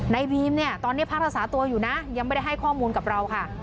ในบีมเนี่ยตอนนี้พักรักษาตัวอยู่นะยังไม่ได้ให้ข้อมูลกับเราค่ะ